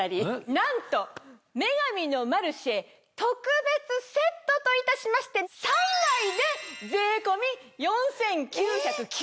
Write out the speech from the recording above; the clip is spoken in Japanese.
なんと『女神のマルシェ』特別セットといたしまして３枚で税込み４９９０円です！